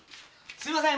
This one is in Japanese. すいません！